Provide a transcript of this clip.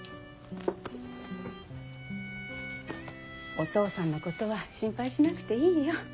お父さんのことは心配しなくていいよ。